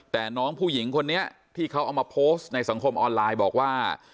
แต่น้องผู้หญิงคนนี้ที่เขาเอามาโพสต์ในสังคมออนไลน์บอกว่า